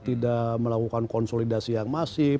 tidak melakukan konsolidasi yang masif